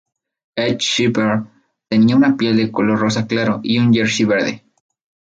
H. Shepard, tenía una piel de color rosa claro y un jersey verde.